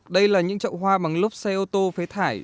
đây là những chậu hoa bằng lốp xe ô tô phế thải